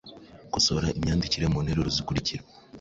Kosora imyandikire mu nteruro zikurikira: